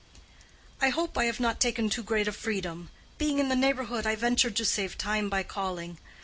"I hope I have not taken too great a freedom. Being in the neighborhood, I ventured to save time by calling.